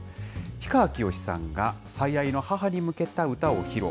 氷川きよしさんが、最愛の母に向けた歌を披露。